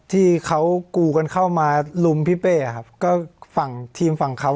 ที่เขากูกันเข้ามาลุมพี่เป้ครับก็ฝั่งทีมฝั่งเขา